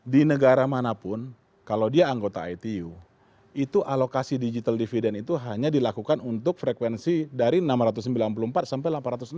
di negara manapun kalau dia anggota itu alokasi digital dividend itu hanya dilakukan untuk frekuensi dari enam ratus sembilan puluh empat sampai delapan ratus enam puluh